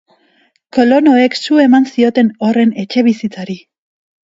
Kolonoek su eman zioten horren etxebizitzari.